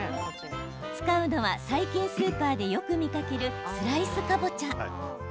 使うのは最近スーパーでよく見かけるスライスかぼちゃ。